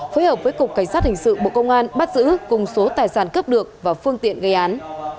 phối hợp với cục cảnh sát hình sự bộ công an bắt giữ cùng số tài sản cướp được và phương tiện gây án